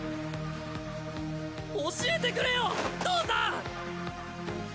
教えてくれよ父さん！！